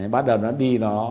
bắt đầu nó đi đó